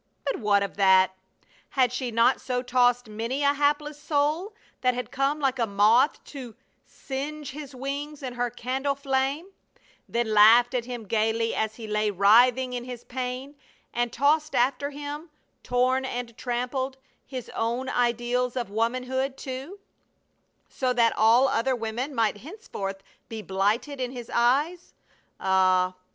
But what of that? Had she not so tossed many a hapless soul that had come like a moth to singe his wings in her candle flame, then laughed at him gaily as he lay writhing in his pain; and tossed after him, torn and trampled, his own ideals of womanhood, too; so that all other women might henceforth be blighted in his eyes. Ah!